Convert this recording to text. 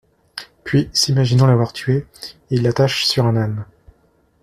Puis, s'imaginant l'avoir tuée, ils l'attachent sur un âne.